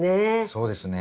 そうですね。